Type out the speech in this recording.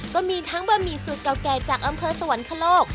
ก็มีทั้งบะหมี่สูตรเก่าแก่จากอำเภอสวรรคโลก